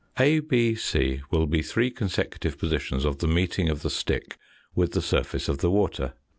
A, B, c, will be three consecutive positions of the meeting of the stick, with the surface of the water.